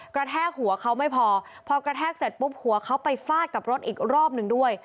แทกหัวเขาไม่พอพอกระแทกเสร็จปุ๊บหัวเขาไปฟาดกับรถอีกรอบหนึ่งด้วย